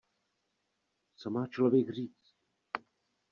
Co má člověk říct?